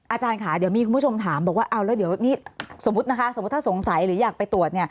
อาจารย์ค่ะเดี๋ยวมีผู้ชมถามบอกว่าเอาแล้วสมมติถ้าสงสัยอยากไปตรวจ